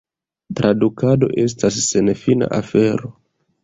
Tradukado estas senfina afero.